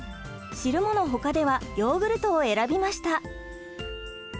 汁物ほかではヨーグルトを選びました。